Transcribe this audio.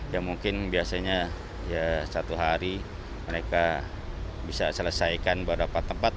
ya mungkin biasanya ya satu hari mereka bisa selesaikan beberapa tempat